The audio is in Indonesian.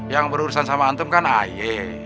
yang berurusan sama antum kan ayek